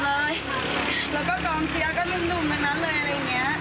มีนักกีฬานุ่มเต็มเลยแล้วก็กองเชียร์ก็นุ่มนั้นเลยอะไรอย่างเนี้ย